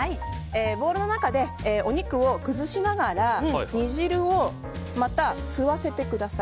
ボウルの中で、お肉を崩しながら煮汁をまた吸わせてください。